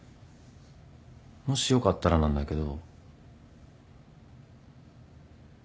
もしよかったらなんだけど。